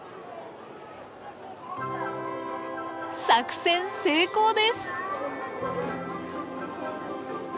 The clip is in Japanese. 作戦成功です！